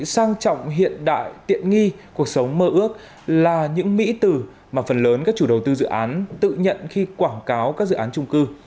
sang trọng hiện đại tiện nghi cuộc sống mơ ước là những mỹ từ mà phần lớn các chủ đầu tư dự án tự nhận khi quảng cáo các dự án trung cư